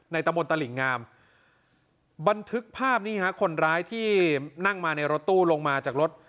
ตะมนตลิ่งงามบันทึกภาพนี่ฮะคนร้ายที่นั่งมาในรถตู้ลงมาจากรถ